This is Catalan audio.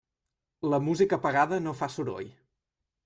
La música pagada no fa soroll.